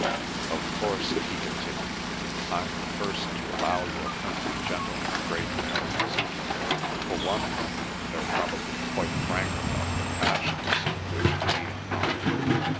Of course," he continued, "I'm the first to allow your country gentlemen great merits. For one thing, they're probably quite frank about their passions, which we are not.